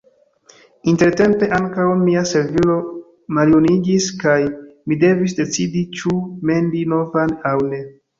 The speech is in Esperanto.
Intertempe ankaŭ mia servilo maljuniĝis kaj mi devis decidi ĉu mendi novan aŭ ne.